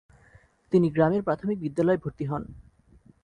তিনি গ্রামের প্রাথমিক বিদ্যালয়ে ভর্তি হন।